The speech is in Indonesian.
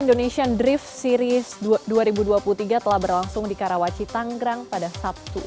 indonesian drift series dua ribu dua puluh tiga telah berlangsung di karawaci tanggrang pada sabtu